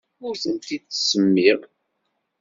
Ur tent-id-ttsemmiɣ.